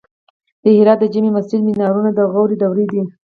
د هرات د جمعې مسجد مینارونه د غوري دورې دي